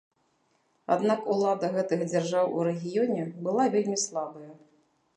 Аднак улада гэтых дзяржаў у рэгіёне была вельмі слабая.